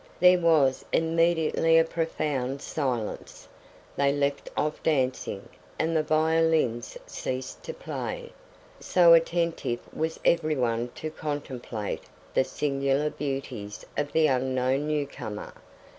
There was immediately a profound silence, they left off dancing, and the violins ceased to play, so attentive was everyone to contemplate the singular beauties of the unknown new comer.